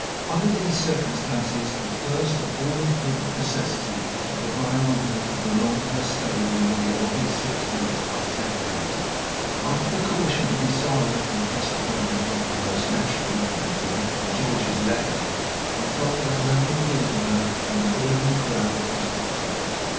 Under these circumstances, the first, the all important necessity was to prevail on her to prolong her stay beyond the allotted six weeks by ten days. After the caution to be silent impressed on me (and most naturally, poor boy) in George's letter, I felt that I could only appeal to her on the ordinary ground of hospitality.